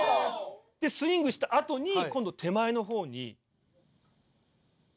でスイングした後に今度手前のほうに。